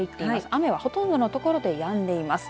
雨は、ほとんどの所でやんでいます。